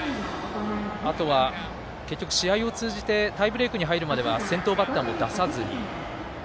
あとは、結局、試合を通じてタイブレークに入るまでは先頭バッターを出さずに。